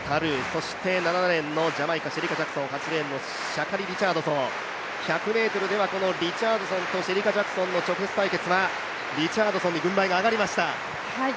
そして７レーンのジャマイカシェリカ・ジャクソン、８レーンのシャカリ・リチャードソン、１００ｍではこのリチャードソンとの直接対決はリチャードソンに軍配が上がりました。